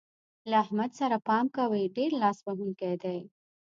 له احمد سره پام کوئ؛ ډېر لاس وهونکی دی.